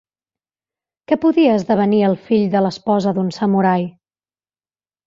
Què podia esdevenir el fill de l'esposa d'un samurai?